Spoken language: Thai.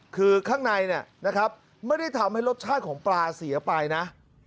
คือข้างในเนี่ยนะครับไม่ได้ทำให้รสชาติของปลาเสียไปนะ